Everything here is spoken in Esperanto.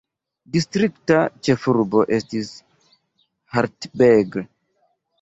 Distrikta ĉefurbo estis Hartberg.